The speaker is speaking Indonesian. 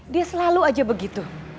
dia selalu aja begitu